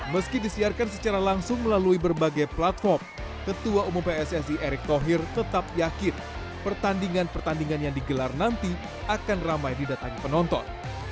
meski disiarkan secara langsung melalui berbagai platform ketua umum pssi erick thohir tetap yakin pertandingan pertandingan yang digelar nanti akan ramai didatangi penonton